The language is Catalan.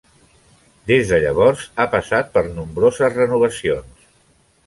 Des de llavors ha passat per nombroses renovacions.